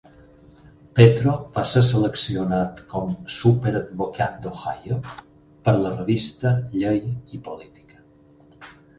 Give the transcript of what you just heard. Petro va ser seleccionat com "Super advocat d'Ohio" per la revista Llei i Política.